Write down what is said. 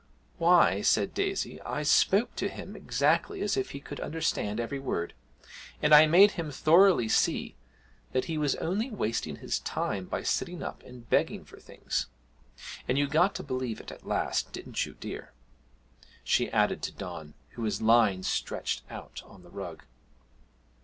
'Why,' said Daisy, 'I spoke to him exactly as if he could understand every word, and I made him thoroughly see that he was only wasting his time by sitting up and begging for things. And you got to believe it at last, didn't you, dear?' she added to Don, who was lying stretched out on the rug.